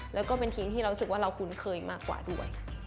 แล้วก็เป็นทีมที่เรารู้สึกว่าเราคุ้นเคยมากกว่าด้วย